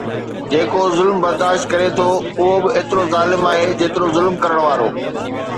جيڪو ظلم برداشت ڪري ٿو اهو به ايترو ظالم آهي جيترو ظلم ڪرڻ وارو